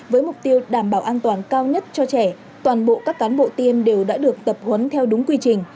với mục tiêu đảm bảo an toàn cao nhất cho trẻ toàn bộ các cán bộ tiêm đều đã được tập huấn theo đúng quy trình